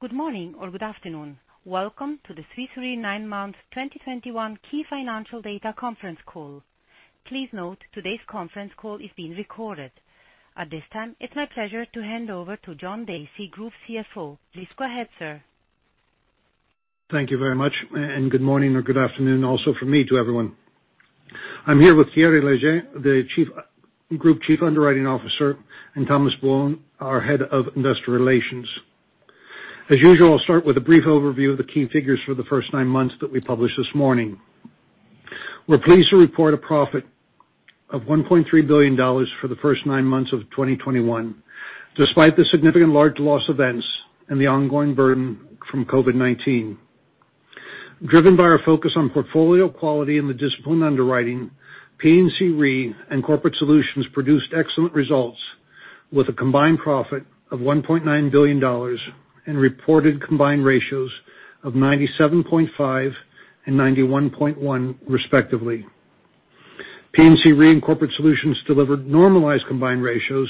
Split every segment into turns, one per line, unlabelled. Good morning or good afternoon. Welcome to the Swiss Re 9-month 2021 key financial data conference call. Please note today's conference call is being recorded. At this time, it's my pleasure to hand over to John Dacey, Group CFO. Please go ahead, sir.
Thank you very much, and good morning or good afternoon also from me to everyone. I'm here with Thierry Léger, the chief Group Chief Underwriting Officer, and Thomas Bohun, our Head of Investor Relations. As usual, I'll start with a brief overview of the key figures for the first nine months that we published this morning. We're pleased to report a profit of $1.3 billion for the first nine months of 2021, despite the significant large loss events and the ongoing burden from COVID-19. Driven by our focus on portfolio quality and the disciplined underwriting, P&C Re and Corporate Solutions produced excellent results with a combined profit of $1.9 billion and reported combined ratios of 97.5% and 91.1% respectively. P&C Re and Corporate Solutions delivered normalized combined ratios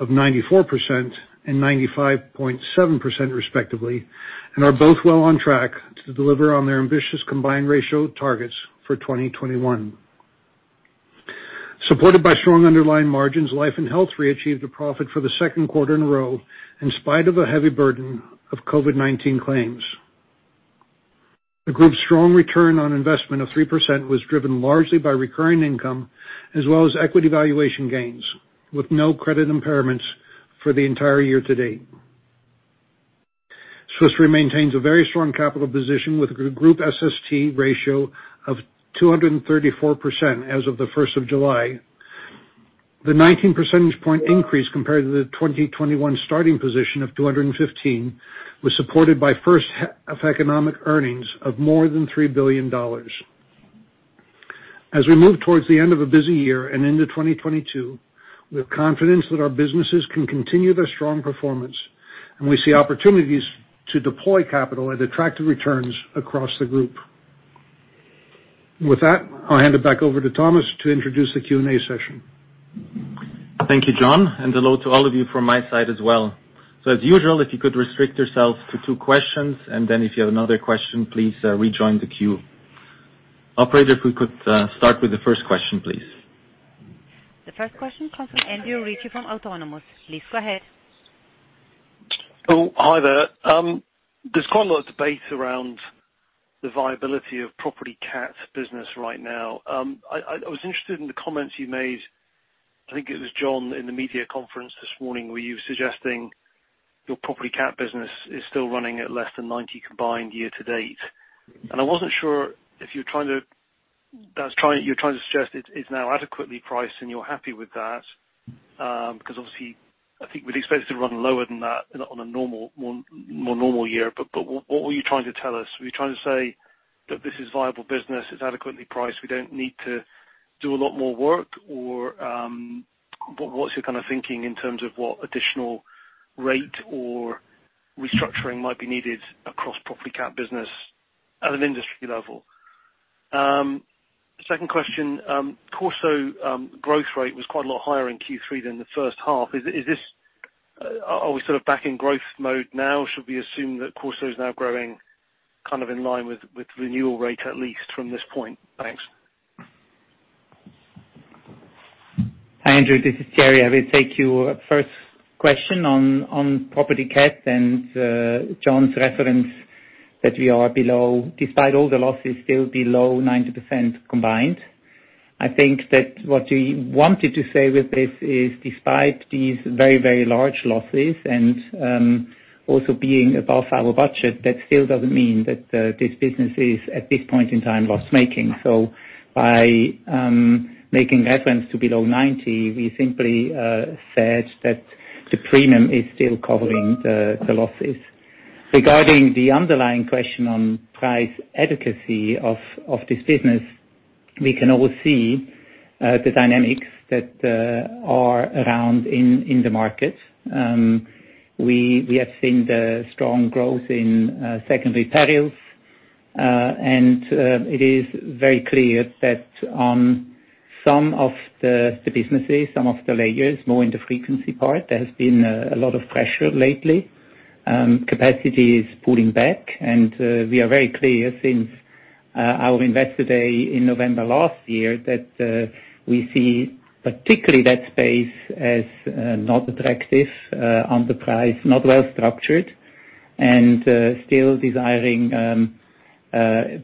of 94% and 95.7% respectively, and are both well on track to deliver on their ambitious combined ratio targets for 2021. Supported by strong underlying margins, Life & Health Reinsurance achieved a profit for the second quarter in a row in spite of a heavy burden of COVID-19 claims. The group's strong return on investment of 3% was driven largely by recurring income as well as equity valuation gains, with no credit impairments for the entire year to date. Swiss Re maintains a very strong capital position with group SST ratio of 234% as of the first of July. The 19 percentage point increase compared to the 2021 starting position of 215 was supported by first half of economic earnings of more than $3 billion. As we move towards the end of a busy year and into 2022, we're confident that our businesses can continue their strong performance, and we see opportunities to deploy capital at attractive returns across the group. With that, I'll hand it back over to Thomas to introduce the Q&A session.
Thank you, John, and hello to all of you from my side as well. As usual, if you could restrict yourselves to two questions, and then if you have another question, please, rejoin the queue. Operator, if we could, start with the first question, please.
The first question comes from Andrew Ritchie from Autonomous. Please go ahead.
Oh, hi there. There's quite a lot of debate around the viability of property cat business right now. I was interested in the comments you made, I think it was John, in the media conference this morning, where you were suggesting your property cat business is still running at less than 90 combined ratio year to date. I wasn't sure if you're trying to suggest it's now adequately priced and you're happy with that, 'cause obviously I think we'd expect it to run lower than that on a normal, more normal year. What were you trying to tell us? Were you trying to say that this is viable business, it's adequately priced, we don't need to do a lot more work or what's your kind of thinking in terms of what additional rate or restructuring might be needed across property cat business at an industry level? Second question. Corso growth rate was quite a lot higher in Q3 than the first half. Is this are we sort of back in growth mode now? Should we assume that Corso is now growing kind of in line with renewal rate, at least from this point? Thanks.
Hi, Andrew. This is Thierry. I will take your first question on property cats and John's reference that we are below, despite all the losses, still below 90% combined. I think that what we wanted to say with this is, despite these very, very large losses and also being above our budget, that still doesn't mean that this business is, at this point in time, loss-making. By making reference to below 90, we simply said that the premium is still covering the losses. Regarding the underlying question on price adequacy of this business, we can all see the dynamics that are around in the market. We have seen the strong growth in secondary perils. It is very clear that some of the businesses, some of the layers, more in the frequency part, there has been a lot of pressure lately. Capacity is pulling back, and we are very clear since our investor day in November last year that we see particularly that space as not attractive on the price, not well structured and still desiring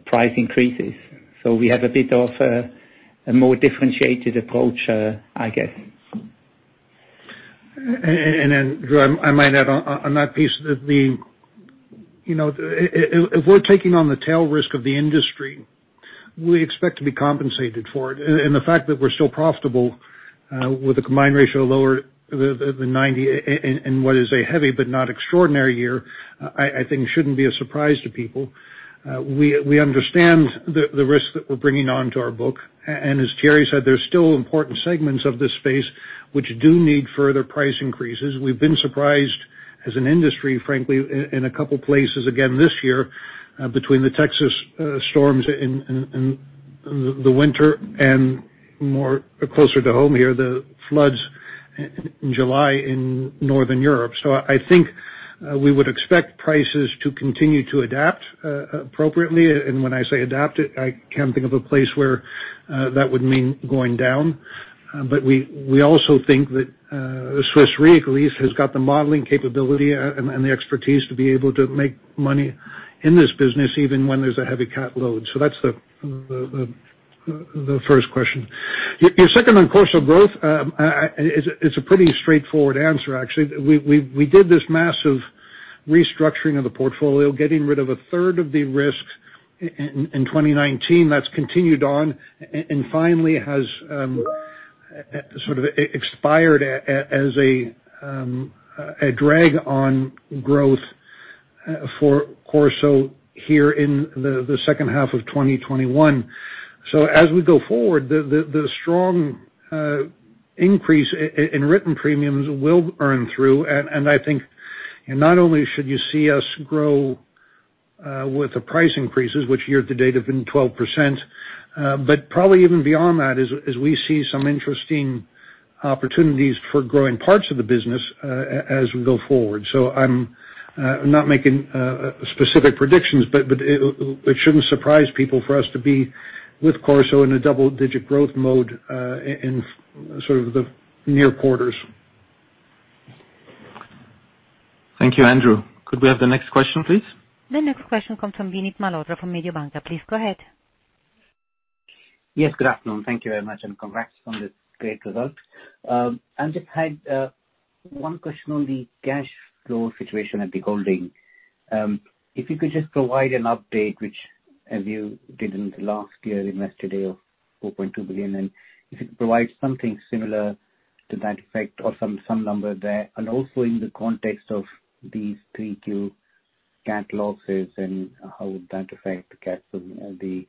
price increases. We have a bit of a more differentiated approach, I guess.
Andrew, I might add on that piece that. You know, if we're taking on the tail risk of the industry, we expect to be compensated for it. The fact that we're still profitable with a combined ratio lower than 90% in what is a heavy but not extraordinary year, I think shouldn't be a surprise to people. We understand the risk that we're bringing onto our book. As Thierry said, there's still important segments of this space which do need further price increases. We've been surprised. As an industry, frankly, in a couple of places again this year, between the Texas storms in the winter and much closer to home here, the floods in July in Northern Europe. I think we would expect prices to continue to adapt appropriately. When I say adapt, I can't think of a place where that would mean going down. We also think that Swiss Re, at least, has got the modeling capability and the expertise to be able to make money in this business even when there's a heavy cat load. That's the first question. Your second on Corso growth. It's a pretty straightforward answer, actually. We did this massive restructuring of the portfolio, getting rid of a third of the risks in 2019. That's continued on and finally has sort of expired as a drag on growth for Corso here in the second half of 2021. As we go forward, the strong increase in written premiums will earn through. I think not only should you see us grow with the price increases, which year to date have been 12%, but probably even beyond that, as we see some interesting opportunities for growing parts of the business, as we go forward. I'm not making specific predictions, but it shouldn't surprise people for us to be on course in a double-digit growth mode, in sort of the near quarters.
Thank you, Andrew. Could we have the next question, please?
The next question comes from Vinit Malhotra from Mediobanca. Please go ahead.
Yes, good afternoon. Thank you very much, and congrats on the great results. I just had one question on the cash flow situation at the holding. If you could just provide an update which, as you did in the last year, the year-end of $4.2 billion, and if you could provide something similar to that effect or some number there, and also in the context of these 3Q cat losses, and how would that affect the cash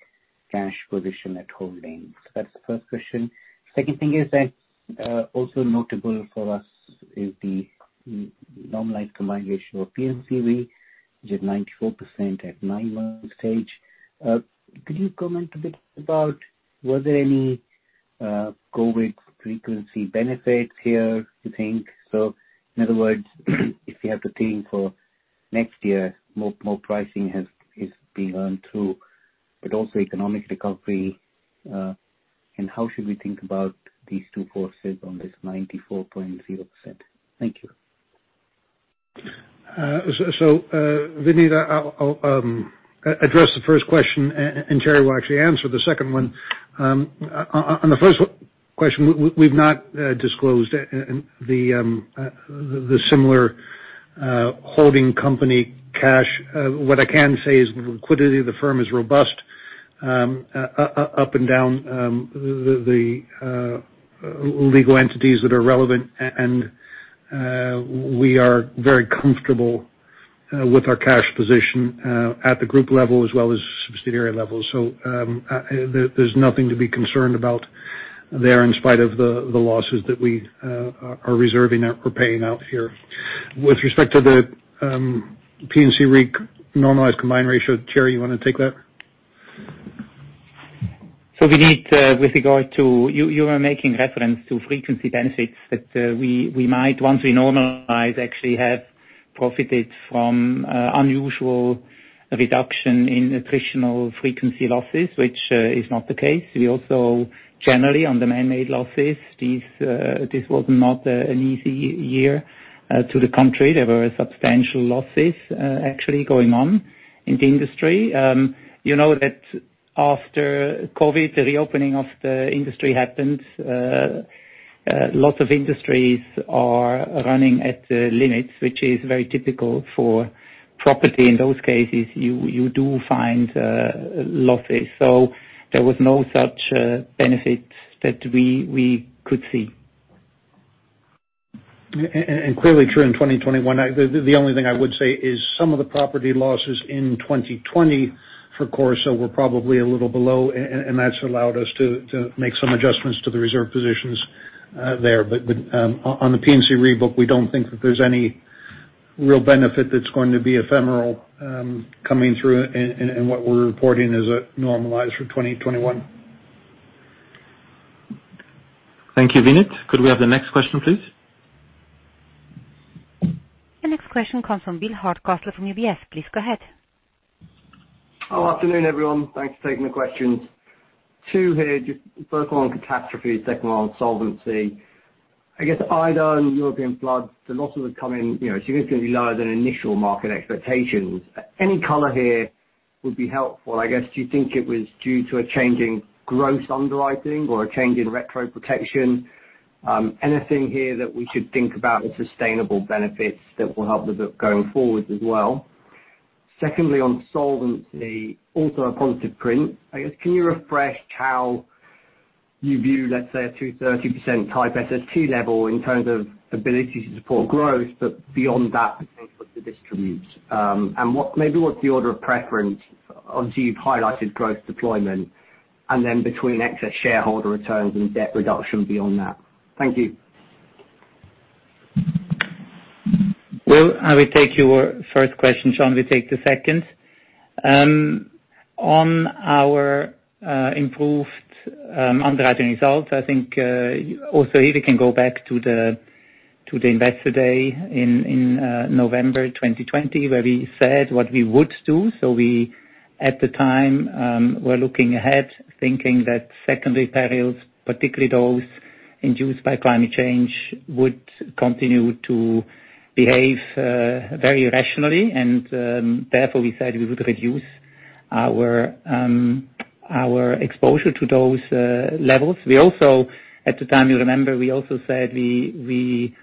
position at holding? That's the first question. Second thing is that, also notable for us is the normalized combined ratio of P&C Re, which is 94% at nine months stage. Could you comment a bit about, was there any COVID frequency benefits here, you think? In other words, if you have to think for next year, more pricing is being earned through, but also economic recovery, and how should we think about these two forces on this 94.0%? Thank you.
Vinit, I'll address the first question and Thierry Léger will actually answer the second one. On the first question, we've not disclosed the Swiss Re holding company cash. What I can say is the liquidity of the firm is robust up and down the legal entities that are relevant. We are very comfortable with our cash position at the group level as well as subsidiary level. There's nothing to be concerned about there in spite of the losses that we are reserving or paying out here. With respect to the P&C Re normalized combined ratio, Thierry Léger, you want to take that?
You are making reference to frequency benefits that we might, once we normalize, actually have profited from unusual reduction in attritional frequency losses, which is not the case. We also generally on the man-made losses, this was not an easy year to the country. There were substantial losses actually going on in the industry. You know that after COVID, the reopening of the industry happened. Lots of industries are running at the limits, which is very typical for property. In those cases, you do find losses. There was no such benefits that we could see.
Clearly true in 2021. The only thing I would say is some of the property losses 2020 for Corso were probably a little below, and that's allowed us to make some adjustments to the reserve positions there. On the P&C Re book, we don't think that there's any real benefit that's going to be ephemeral coming through in what we're reporting as a normalized for 2021.
Thank you, Vinit. Could we have the next question, please?
The next question comes from Will Hardcastle from UBS. Please go ahead.
Good afternoon, everyone. Thanks for taking the questions. Two here, just first one on catastrophe, second one on solvency. I guess Ida and European floods, the losses have come in, you know, significantly lower than initial market expectations. Any color here would be helpful. I guess, do you think it was due to a change in gross underwriting or a change in retro protection? Anything here that we should think about the sustainable benefits that will help the book going forward as well? Secondly, on solvency, also a positive print. I guess, can you refresh how you view, let's say, a 230% type SST level in terms of ability to support growth, but beyond that in terms of the distributions? And what's the order of preference? Obviously, you've highlighted growth deployment. Between excess shareholder returns and debt reduction beyond that. Thank you.
Will, I will take your first question. John will take the second. On our improved underwriting results, I think also here we can go back to the investor day in November 2020, where we said what we would do. We, at the time, were looking ahead thinking that secondary perils, particularly those induced by climate change, would continue to behave very irrationally. Therefore, we said we would reduce our exposure to those levels. We also at the time, you remember, we also said we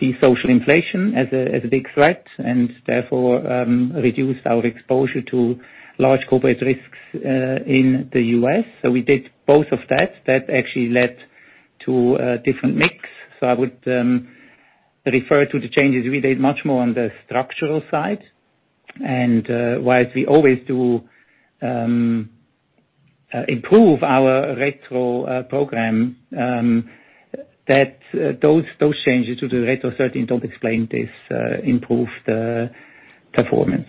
see social inflation as a big threat, and therefore reduced our exposure to large corporate risks in the US. We did both of that. That actually led to a different mix. I would refer to the changes we did much more on the structural side. While we always do improve our retro program, those changes to the retro certainly don't explain this improved performance.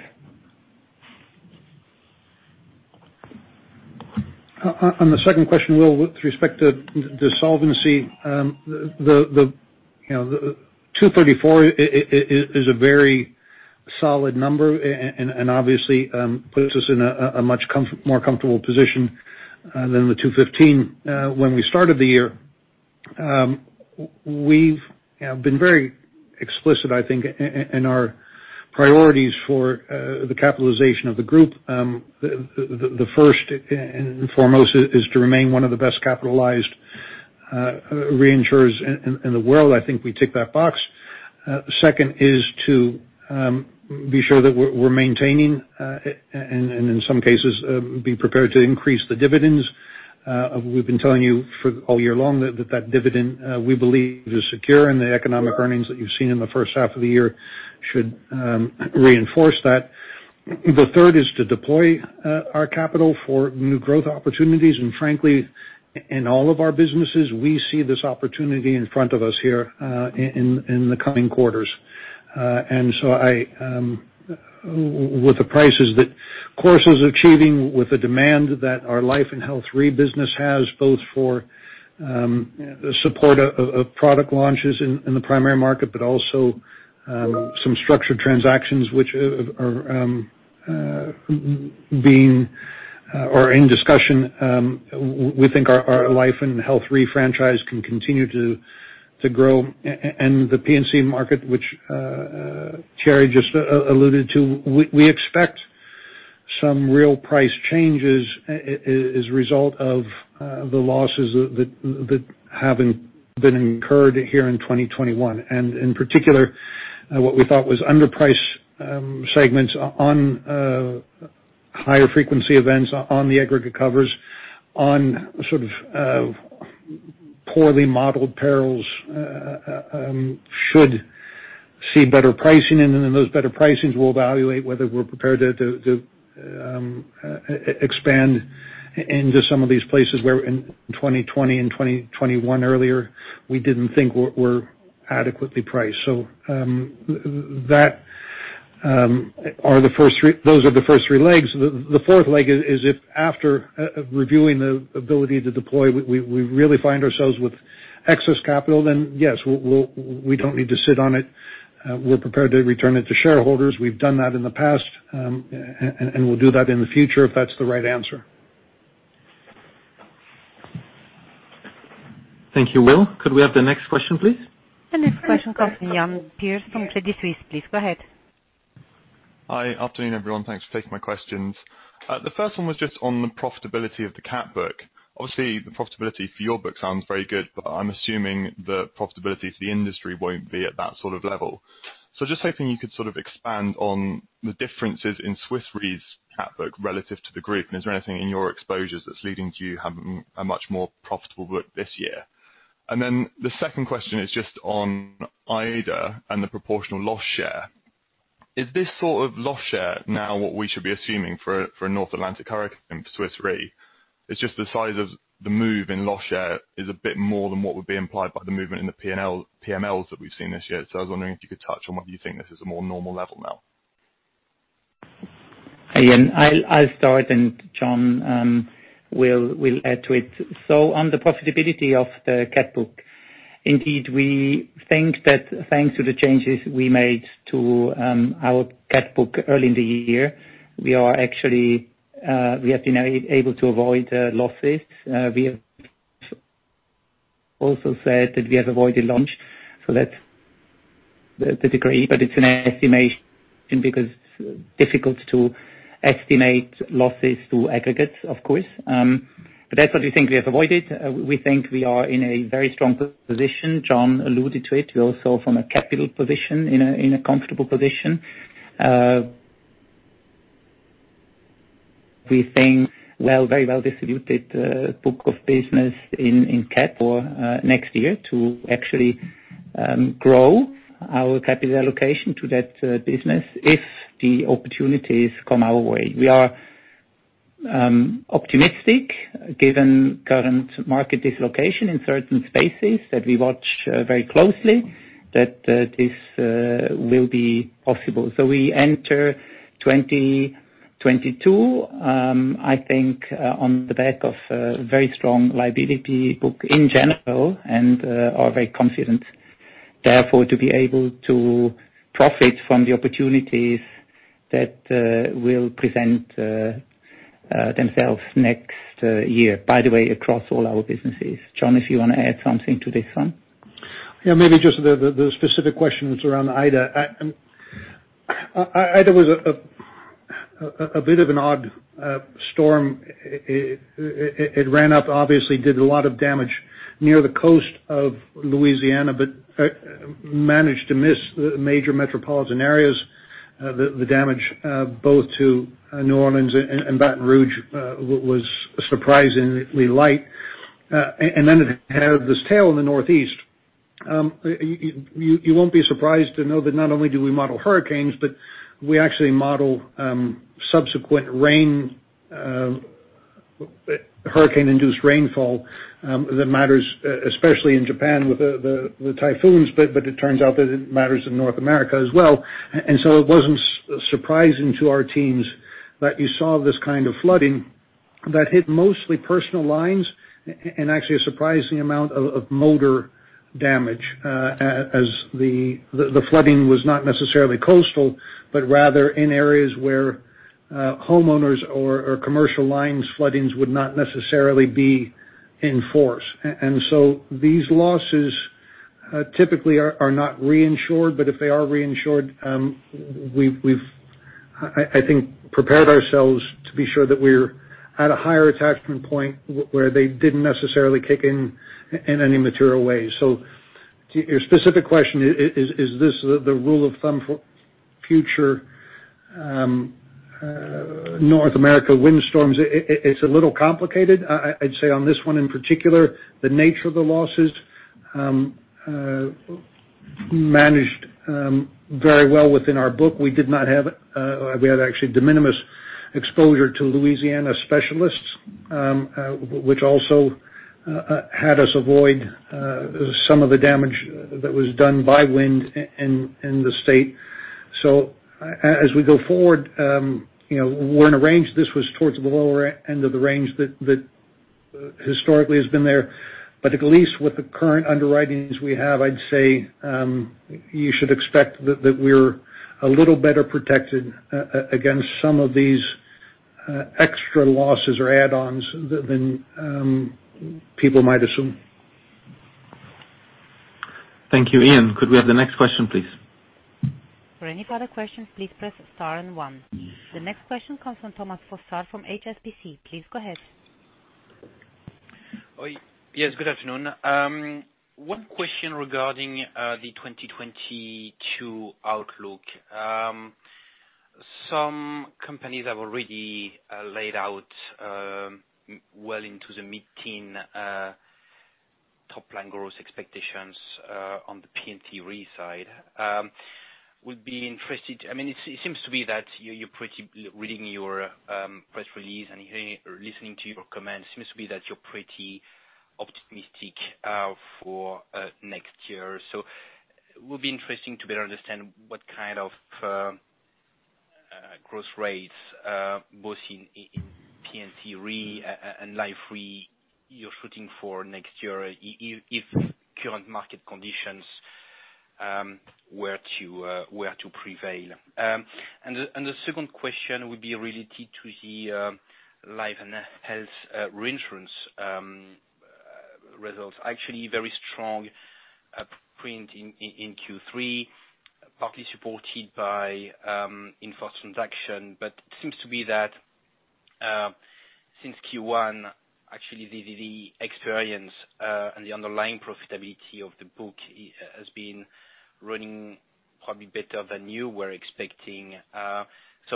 On the second question, Will, with respect to the solvency, you know, the 234% is a very solid number and obviously puts us in a much more comfortable position than the 215% when we started the year. We've, you know, been very explicit, I think, in our priorities for the capitalization of the group. The first and foremost is to remain one of the best capitalized reinsurers in the world. I think we tick that box. Second is to be sure that we're maintaining and in some cases be prepared to increase the dividends. We've been telling you for all year long that dividend we believe is secure, and the economic earnings that you've seen in the first half of the year should reinforce that. The third is to deploy our capital for new growth opportunities, and frankly, in all of our businesses, we see this opportunity in front of us here, in the coming quarters. I, with the that Corso is achieving, with the demand that our Life & Health Re business has, both for support of product launches in the primary market, but also some structured transactions which are being discussed, we think our Life & Health Re franchise can continue to grow. The P&C market, which Thierry Léger just alluded to, we expect some real price changes as a result of the losses that have been incurred here in 2021. In particular, what we thought was underpriced, segments on higher frequency events on the aggregate covers on sort of poorly modeled perils should see better pricing. Then in those better pricings, we'll evaluate whether we're prepared to expand into some of these places where in 2020 and 2021 earlier, we didn't think we were adequately priced. Those are the first three legs. The fourth leg is if after reviewing the ability to deploy, we really find ourselves with excess capital, then yes, we'll we don't need to sit on it. We're prepared to return it to shareholders. We've done that in the past, and we'll do that in the future if that's the right answer.
Thank you, Will. Could we have the next question, please?
This question comes from Iain Pearce from Credit Suisse, please. Go ahead.
Hi. Afternoon, everyone. Thanks for taking my questions. The first one was just on the profitability of the cat book. Obviously, the profitability for your book sounds very good, but I'm assuming the profitability for the industry won't be at that sort of level. Just hoping you could sort of expand on the differences in Swiss Re's cat book relative to the group. Is there anything in your exposures that's leading to you having a much more profitable book this year? The second question is just on Ida and the proportional loss share. Is this sort of loss share now what we should be assuming for a North Atlantic hurricane for Swiss Re? It's just the size of the move in loss share is a bit more than what would be implied by the movement in the PMLs that we've seen this year. I was wondering if you could touch on whether you think this is a more normal level now.
Iain, I'll start, and John will add to it. On the profitability of the cat book, indeed, we think that thanks to the changes we made to our cat book early in the year, we have actually been able to avoid losses. We have also said that we have avoided large losses. That's the degree, but it's an estimation because it's difficult to estimate losses to aggregates, of course. But that's what we think we have avoided. We think we are in a very strong position. John alluded to it. We're also from a capital position in a comfortable position. We think, well, very well distributed book of business in cat for next year to actually grow our capital allocation to that business if the opportunities come our way. We are optimistic given current market dislocation in certain spaces that we watch very closely that this will be possible. We enter 2022, I think, on the back of a very strong liability book in general and are very confident therefore to be able to profit from the opportunities that will present themselves next year, by the way, across all our businesses. John, if you wanna add something to this one.
Yeah, maybe just the specific questions around Ida. Ida was a bit of an odd storm. It ran up, obviously did a lot of damage near the coast of Louisiana, but managed to miss the major metropolitan areas. The damage both to New Orleans and Baton Rouge was surprisingly light. Then it had this tail in the Northeast. You won't be surprised to know that not only do we model hurricanes, but we actually model subsequent rain, hurricane-induced rainfall, that matters especially in Japan with the typhoons, but it turns out that it matters in North America as well. It wasn't surprising to our teams that you saw this kind of flooding that hit mostly personal lines and actually a surprising amount of motor damage, as the flooding was not necessarily coastal, but rather in areas where homeowners or commercial lines flooding would not necessarily be in force. These losses typically are not reinsured. But if they are reinsured, we've, I think, prepared ourselves to be sure that we're at a higher attachment point where they didn't necessarily kick in in any material way. To your specific question, is this the rule of thumb for future North American windstorms? It's a little complicated. I'd say on this one, in particular, the nature of the losses managed very well within our book. We had actually de minimis exposure to Louisiana specialists, which also had us avoid some of the damage that was done by wind in the state. As we go forward, you know, we're in a range, this was towards the lower end of the range that historically has been there. At least with the current underwritings we have, I'd say, you should expect that we're a little better protected against some of these extra losses or add-ons than people might assume.
Thank you. Iain, could we have the next question, please?
The next question comes from Thomas Fossard from HSBC. Please go ahead.
Yes, good afternoon. One question regarding the 2022 outlook. Some companies have already laid out well into the mid-teens top line growth expectations on the P&C Re side. I mean, it seems that you're pretty optimistic reading your press release and hearing or listening to your comments for next year. It would be interesting to better understand what kind of growth rates both in P&C Re and Life Re you're shooting for next year if current market conditions were to prevail. The second question would be related to the Life & Health reinsurance results. Actually very strong print in Q3, partly supported by inforce transaction. It seems to be that since Q1, actually the experience and the underlying profitability of the book has been running probably better than you were expecting. I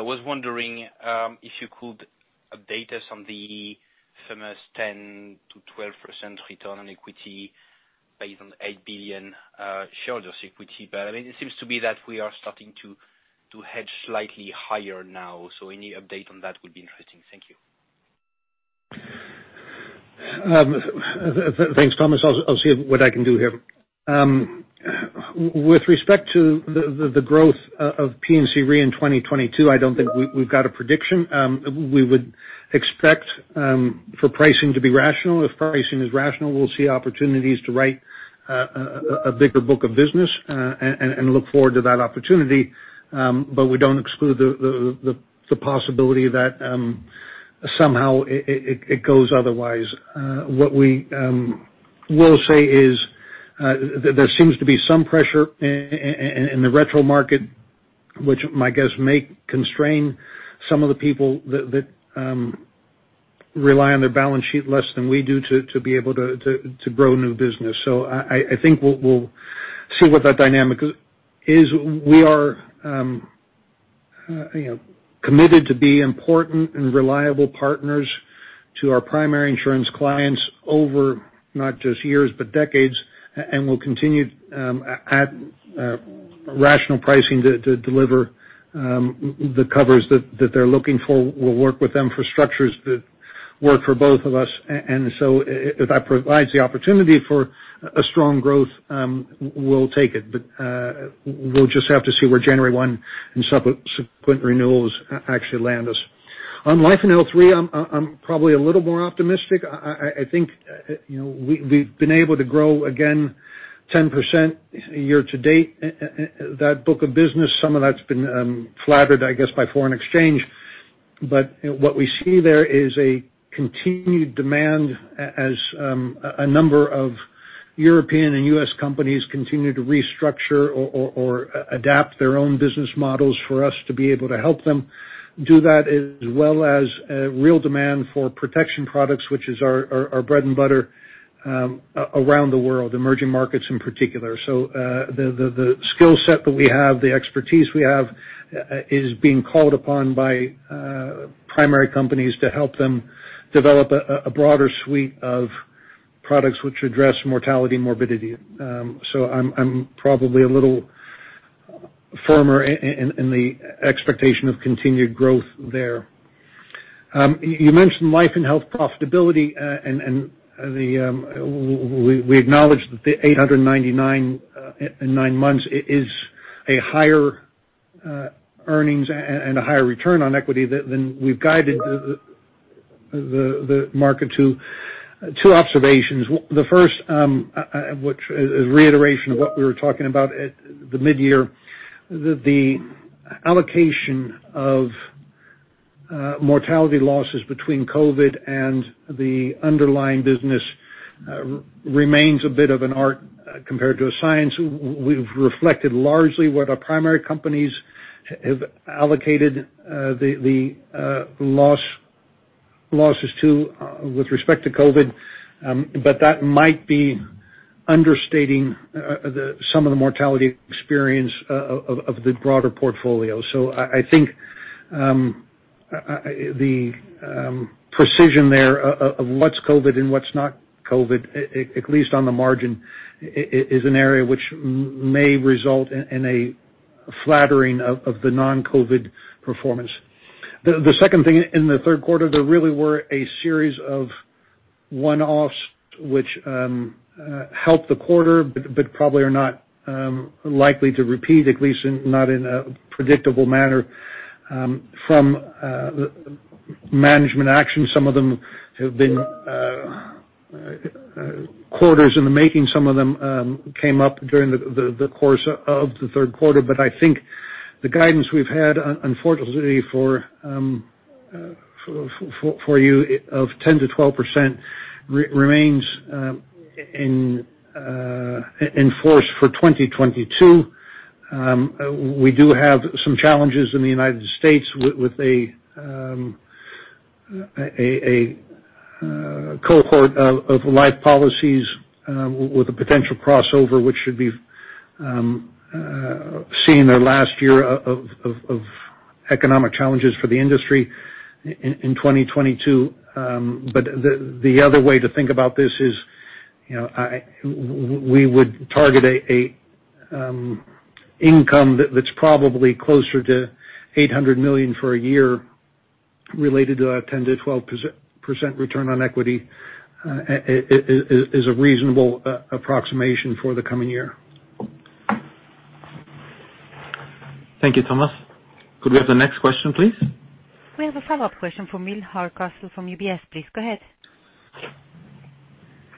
was wondering if you could update us on the famous 10%-12% Return on Equity based on the $8 billion share of equity. I mean, it seems to be that we are starting to hedge slightly higher now. Any update on that would be interesting. Thank you.
Thanks, Thomas. I'll see what I can do here. With respect to the growth of P&C Re in 2022, I don't think we've got a prediction. We would expect for pricing to be rational. If pricing is rational, we'll see opportunities to write a bigger book of business and look forward to that opportunity. We don't exclude the possibility that somehow it goes otherwise. What we will say is there seems to be some pressure in the retro market, which I guess may constrain some of the people that rely on their balance sheet less than we do to be able to grow new business. I think we'll see what that dynamic is. We are, you know, committed to be important and reliable partners to our primary insurance clients over not just years but decades. We'll continue at rational pricing to deliver the covers that they're looking for. We'll work with them for structures that work for both of us. If that provides the opportunity for a strong growth, we'll take it. We'll just have to see where January 1 and subsequent renewals actually land us. On Life and L&H, I'm probably a little more optimistic. I think, you know, we've been able to grow again 10% year to date that book of business. Some of that's been flattered, I guess, by foreign exchange. What we see there is a continued demand as a number of European and US companies continue to restructure or adapt their own business models for us to be able to help them do that, as well as a real demand for protection products, which is our bread and butter around the world, emerging markets in particular. The skill set that we have, the expertise we have, is being called upon by primary companies to help them develop a broader suite of products which address mortality morbidity. I'm probably a little firmer in the expectation of continued growth there. You mentioned life and health profitability, and we acknowledge that the $899 in nine months is a higher earnings and a higher return on equity than we've guided the market to. Two observations. The first, which is reiteration of what we were talking about at the mid-year, that the allocation of mortality losses between COVID and the underlying business remains a bit of an art compared to a science. We've reflected largely what our primary companies have allocated the losses to with respect to COVID. But that might be understating some of the mortality experience of the broader portfolio. I think the precision there of what's COVID and what's not COVID, at least on the margin, is an area which may result in a flattering of the non-COVID performance. The second thing in the third quarter, there really were a series of one-offs which helped the quarter but probably are not likely to repeat, at least not in a predictable manner, from management action. Some of them have been quarters in the making. Some of them came up during the course of the third quarter. I think the guidance we've had, unfortunately for you of 10%-12% remains in force for 2022. We do have some challenges in the United States with a cohort of life policies with a potential crossover, which should be seeing their last year of economic challenges for the industry in 2022. The other way to think about this is, you know, we would target an income that's probably closer to $800 million for a year related to a 10%-12% return on equity, is a reasonable approximation for the coming year.
Thank you, Thomas. Could we have the next question, please?
We have a follow-up question from Will Hardcastle from UBS, please go ahead.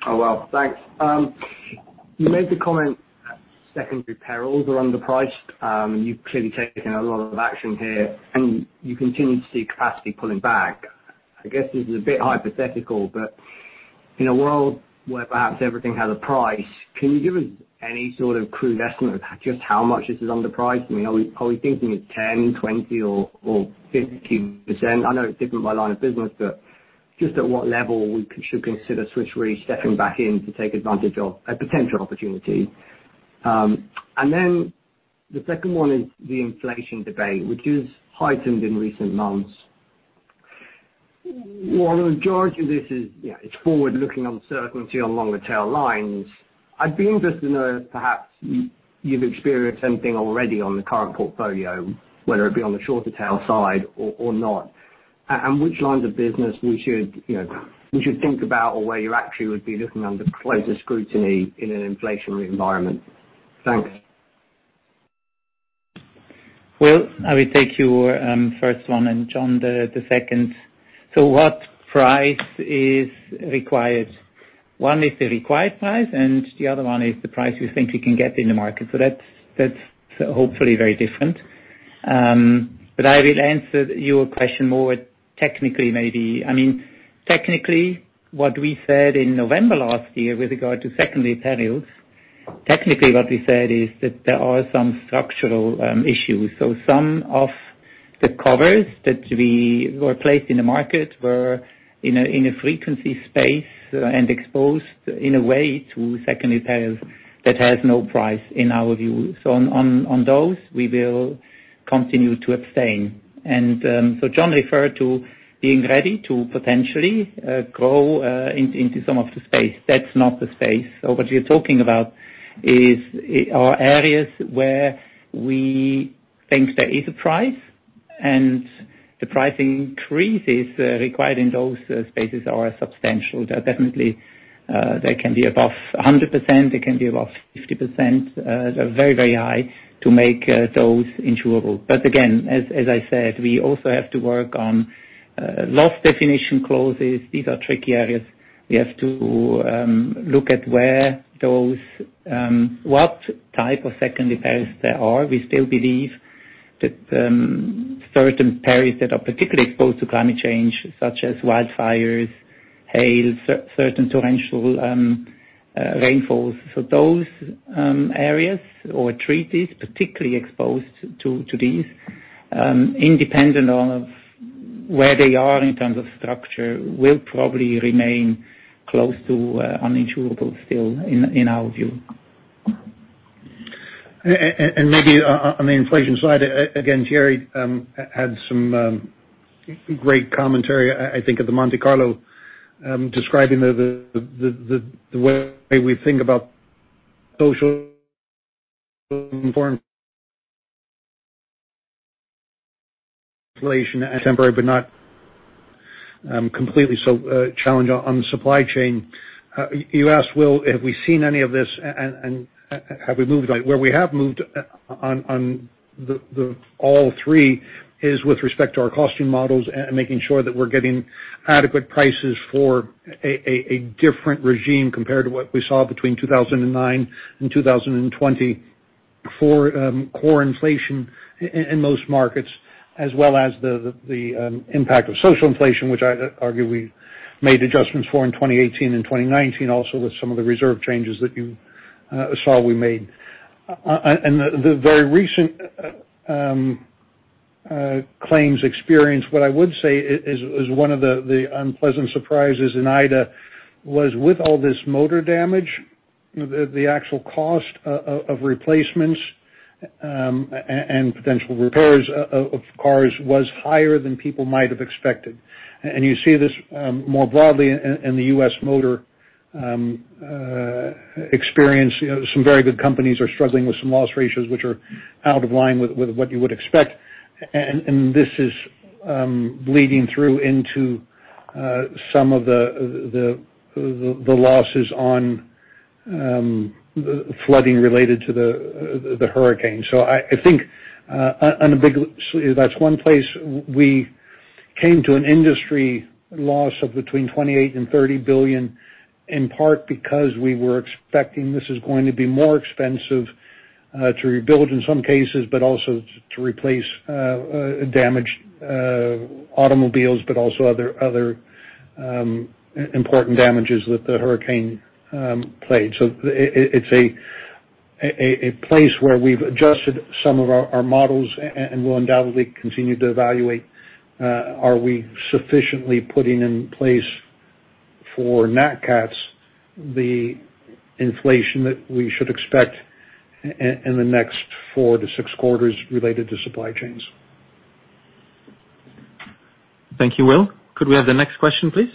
Oh, well, thanks. You made the comment that secondary perils are underpriced. You've clearly taken a lot of action here, and you continue to see capacity pulling back. I guess this is a bit hypothetical, but in a world where perhaps everything has a price, can you give us any sort of crude estimate of just how much this is underpriced? I mean, are we thinking it's 10%, 20% or 50%? I know it's different by line of business, but just at what level we should consider Swiss Re stepping back in to take advantage of a potential opportunity. The second one is the inflation debate, which is heightened in recent months. While a large part of this is, you know, it's forward-looking uncertainty along the tail lines, I'd be interested to know if perhaps you've experienced anything already on the current portfolio, whether it be on the shorter tail side or not. Which lines of business we should, you know, think about or where you actually would be looking under closer scrutiny in an inflationary environment. Thanks.
Well, I will take your first one, and John the second. What price is required? One is the required price, and the other one is the price you think you can get in the market. That's hopefully very different. I will answer your question more technically, maybe. I mean, technically, what we said in November last year with regard to secondary perils. Technically what we said is that there are some structural issues. Some of the covers that we were placed in the market were in a frequency space and exposed in a way to secondary perils that has no price in our view. On those, we will continue to abstain. John referred to being ready to potentially grow into some of the space. That's not the space. What you're talking about are areas where we think there is a price, and the price increases required in those spaces are substantial. They're definitely they can be above 100%, they can be above 50%. They're very, very high to make those insurable. But again, as I said, we also have to work on loss definition clauses. These are tricky areas. We have to look at where those what type of secondary perils there are. We still believe that certain perils that are particularly exposed to climate change, such as wildfires, hail, certain torrential rainfalls. Those areas or treaties particularly exposed to these independent of where they are in terms of structure will probably remain close to uninsurable still in our view.
Maybe on the inflation side, again, Thierry Léger had some great commentary I think at the Monte Carlo describing the way we think about social inflation and temporary, but not completely so, challenge on the supply chain. You asked, Will, have we seen any of this and have we moved? Like, where we have moved on the all three is with respect to our costing models and making sure that we're getting adequate prices for a different regime compared to what we saw between 2009 and 2020 for core inflation in most markets, as well as the impact of social inflation, which I argue we made adjustments for in 2018 and 2019, also with some of the reserve changes that you saw we made. The very recent claims experience, what I would say is one of the unpleasant surprises in Ida was with all this motor damage, the actual cost of replacements and potential repairs of cars was higher than people might have expected. You see this more broadly in the US motor experience. You know, some very good companies are struggling with some loss ratios which are out of line with what you would expect. This is bleeding through into some of the losses on flooding related to the hurricane. I think that's one place we came to an industry loss of between $28 billion and $30 billion, in part because we were expecting this is going to be more expensive to rebuild in some cases, but also to replace damaged automobiles, but also other important damages that the hurricane played. It's a place where we've adjusted some of our models and we'll undoubtedly continue to evaluate, are we sufficiently putting in place for nat cats the inflation that we should expect in the next 4-6 quarters related to supply chains.
Thank you, Will. Could we have the next question, please?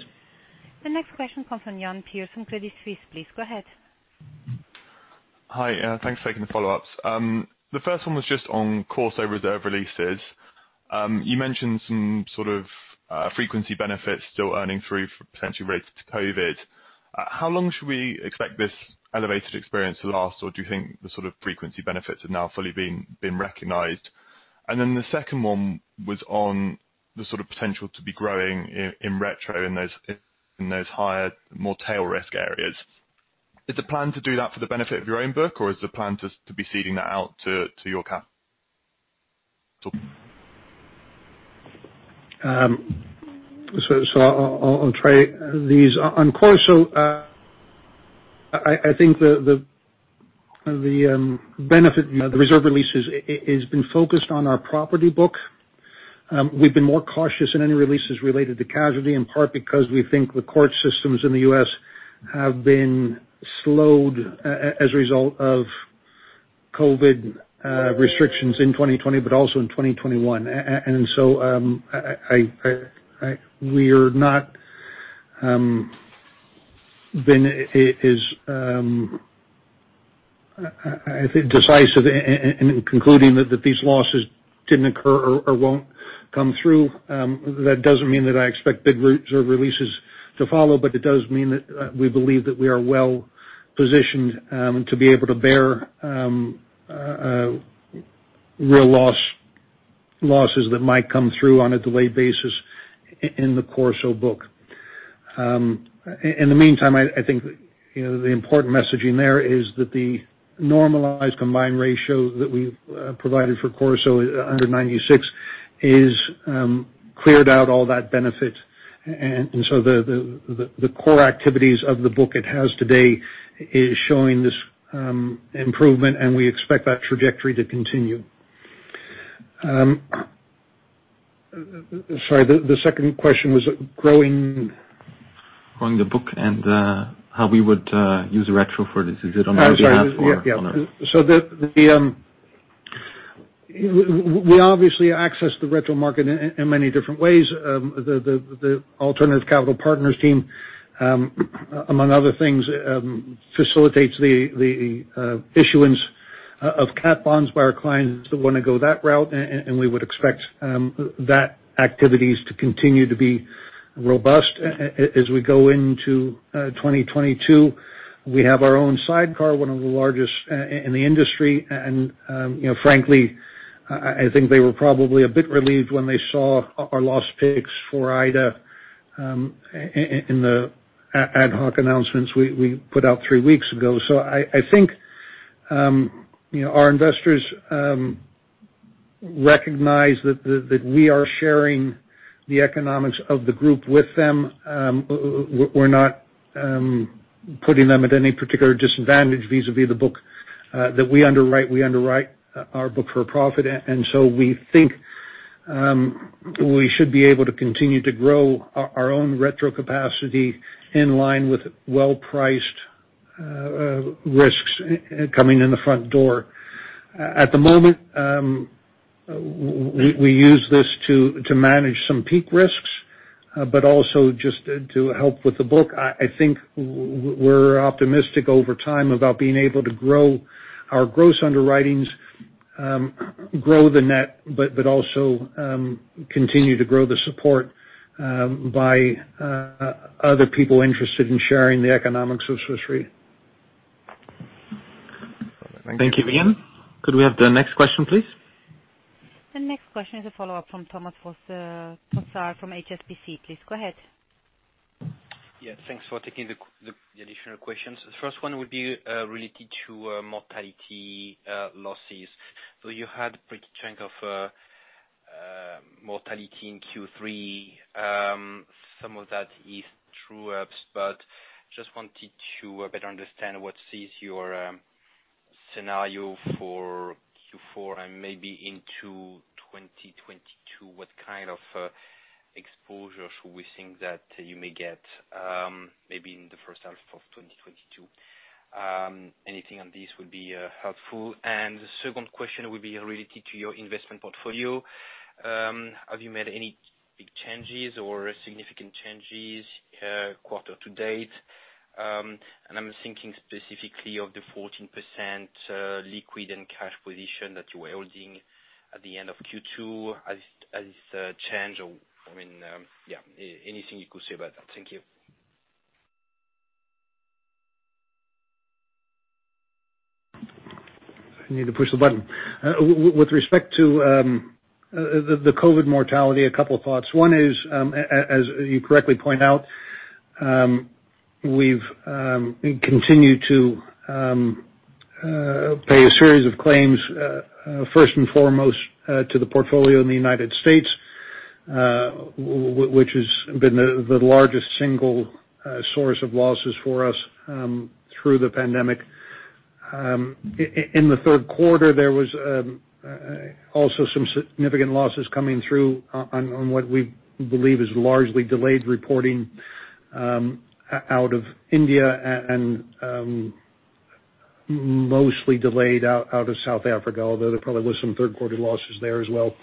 The next question comes from Iain Pearce from Credit Suisse, please go ahead.
Hi, thanks for taking the follow-ups. The first one was on Corso reserve releases. You mentioned some sort of frequency benefits still earning through potentially related to COVID. How long should we expect this elevated experience to last, or do you think the sort of frequency benefits have now fully been recognized? Then the second one was on the sort of potential to be growing in retro in those higher, more tail risk areas. Is the plan to do that for the benefit of your own book, or is the plan to be seeding that out to Alternative Capital Partners?
I'll try these. on Corso, I think the benefit, the reserve releases has been focused on our property book. We've been more cautious in any releases related to casualty, in part because we think the court systems in the US have been slowed as a result of COVID restrictions in 2020, but also in 2021. We're not been as, I think, decisive in concluding that these losses didn't occur or won't come through. That doesn't mean that I expect big reserve releases to follow, but it does mean that we believe that we are well-positioned to be able to bear real losses that might come through on a delayed basis in the Corso book. In the meantime, I think, you know, the important messaging there is that the normalized combined ratio that we've provided Corso under 96% is cleared out all that benefit. The core activities of the book it has today is showing this improvement, and we expect that trajectory to continue. Sorry, the second question was growing-
Growing the book and how we would use retro for this. Is it on our behalf or-
I'm sorry. Yeah. We obviously access the retro market in many different ways. The Alternative Capital Partners team, among other things, facilitates the issuance of cat bonds by our clients that wanna go that route. We would expect that activities to continue to be robust as we go into 2022. We have our own sidecar, one of the largest in the industry. You know, frankly, I think they were probably a bit relieved when they saw our loss picks for Ida, in the ad hoc announcements we put out three weeks ago. I think, you know, our investors recognize that we are sharing the economics of the group with them. We're not putting them at any particular disadvantage vis-à-vis the book that we underwrite. We underwrite our book for profit. We think we should be able to continue to grow our own retro capacity in line with well-priced risks coming in the front door. At the moment, we use this to manage some peak risks, but also just to help with the book. I think we're optimistic over time about being able to grow our gross underwritings, grow the net, but also continue to grow the support by other people interested in sharing the economics with Swiss Re.
Thank you, Iain. Could we have the next question, please?
The next question is a follow-up from Thomas Fossard from HSBC. Please go ahead.
Yeah, thanks for taking the additional questions. The first one would be related to mortality losses. So you had a pretty chunk of mortality in Q3. Some of that is true ups, but just wanted to better understand what is your scenario for Q4 and maybe into 2022, what kind of exposure should we think that you may get, maybe in the first half of 2022. Anything on this would be helpful. The second question would be related to your investment portfolio. Have you made any big changes or significant changes quarter to date. And I'm thinking specifically of the 14% liquid and cash position that you were holding at the end of Q2. Has this changed, or, I mean, yeah, anything you could say about that. Thank you.
I need to push the button. With respect to the COVID mortality, a couple of thoughts. One is, as you correctly point out, we've continued to pay a series of claims, first and foremost, to the portfolio in the United States, which has been the largest single source of losses for us through the pandemic. In the third quarter, there was also some significant losses coming through on what we believe is largely delayed reporting out of India and mostly delayed out of South Africa, although there probably was some third-quarter losses there as well.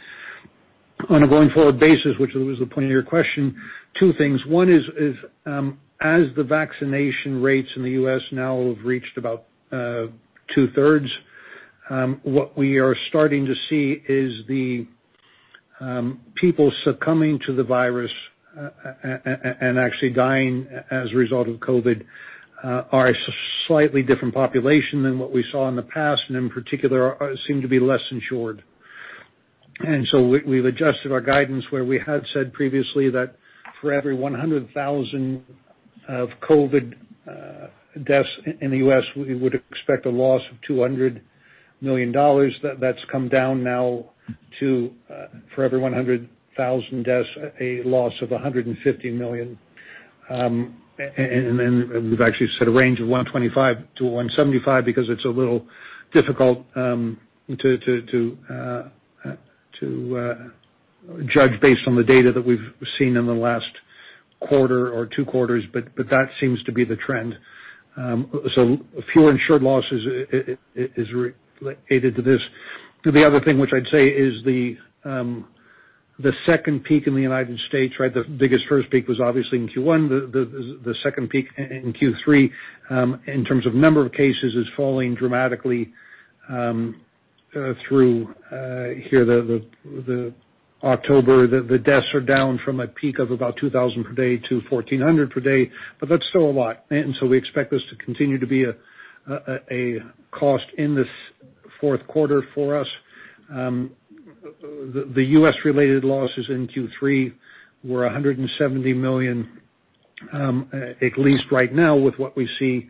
On a going-forward basis, which was the point of your question, two things. One is, as the vaccination rates in the US now have reached about two-thirds, what we are starting to see is the people succumbing to the virus and actually dying as a result of COVID are a slightly different population than what we saw in the past, and in particular seem to be less insured. We've adjusted our guidance where we had said previously that for every 100,000 COVID deaths in the US, we would expect a loss of $200 million. That's come down now to for every 100,000 deaths, a loss of $150 million. We've actually set a range of 125-175 because it's a little difficult to judge based on the data that we've seen in the last quarter or two quarters, but that seems to be the trend. Fewer insured losses is related to this. The other thing which I'd say is the second peak in the United States, right? The biggest first peak was obviously in Q1, the second peak in Q3, in terms of number of cases, is falling dramatically through to October. The deaths are down from a peak of about 2,000 per day to 1,400 per day, but that's still a lot. We expect this to continue to be a cost in this fourth quarter for us. The US-related losses in Q3 were $170 million. At least right now with what we see,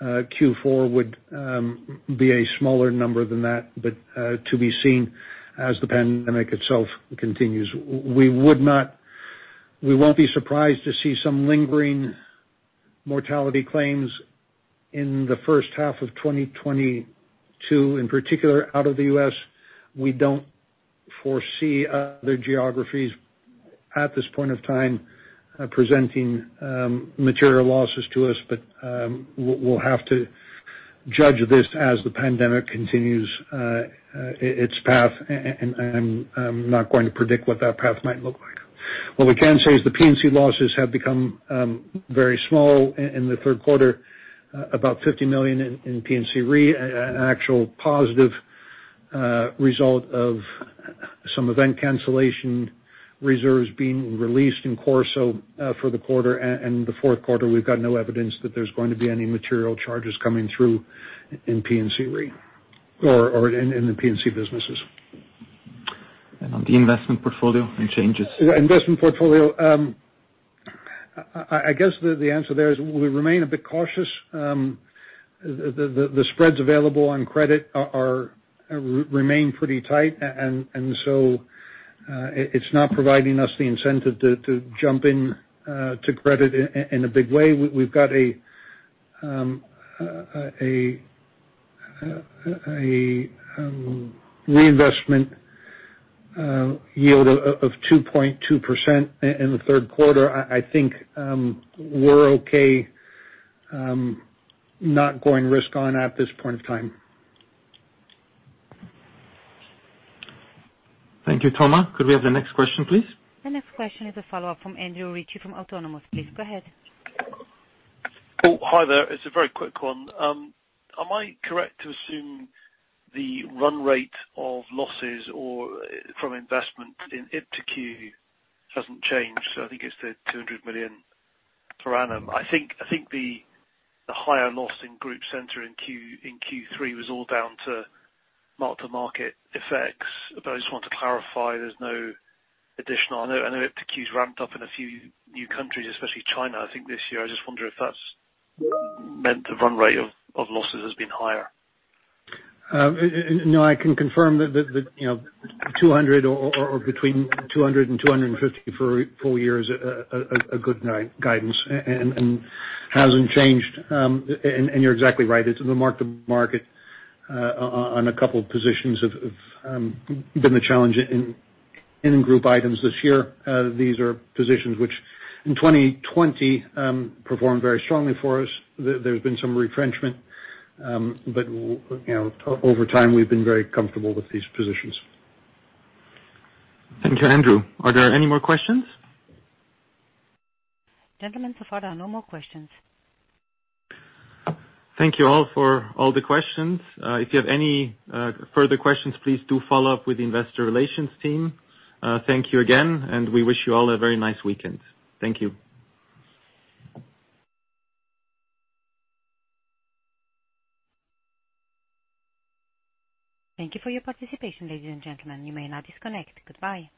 Q4 would be a smaller number than that. To be seen as the pandemic itself continues. We won't be surprised to see some lingering mortality claims in the first half of 2022, in particular out of the US. We don't foresee other geographies at this point of time presenting material losses to us. We'll have to judge this as the pandemic continues its path. I'm not going to predict what that path might look like. What we can say is the P&C losses have become very small in the third quarter, about $50 million in P&C Re, an actual positive result of some event cancellation reserves being released in Corso for the quarter. The fourth quarter, we've got no evidence that there's going to be any material charges coming through in P&C Re or in the P&C businesses.
On the investment portfolio and changes. Investment portfolio. I guess the answer there is we remain a bit cautious. The spreads available on credit remain pretty tight. It's not providing us the incentive to jump in to credit in a big way. We've got a reinvestment yield of 2.2% in the third quarter. I think we're okay not going risk on at this point of time.
Thank you, Thomas. Could we have the next question, please?
The next question is a follow-up from Andrew Ritchie from Autonomous. Please go ahead.
Oh, hi there. It's a very quick one. Am I correct to assume the run rate of losses or from investment in iptiQ hasn't changed? I think it's $200 million per annum. I think the higher loss in group center in Q3 was all down to mark-to-market effects. I just want to clarify there's no additional. I know iptiQ's ramped up in a few new countries, especially China, I think this year. I just wonder if that's meant the run rate of losses has been higher.
No, I can confirm that, you know, 200 or between 200 and 250 for four years, a good guidance and hasn't changed. You're exactly right. It's the mark-to-market on a couple of positions have been the challenge in group items this year. These are positions which in 2020 performed very strongly for us. There's been some retrenchment, but you know, over time we've been very comfortable with these positions.
Thank you, Andrew. Are there any more questions?
Gentlemen, so far there are no more questions.
Thank you all for all the questions. If you have any further questions, please do follow up with the Investor Relations team. Thank you again, and we wish you all a very nice weekend. Thank you.
Thank you for your participation, ladies and gentlemen. You may now disconnect. Goodbye.